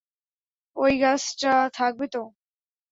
ওই গাছটা থাকবে তো?